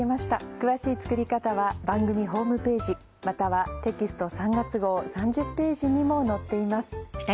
詳しい作り方は番組ホームページまたはテキスト３月号３０ページにも載っています。